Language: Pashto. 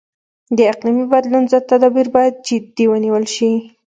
د اقلیمي بدلون ضد تدابیر باید جدي ونیول شي.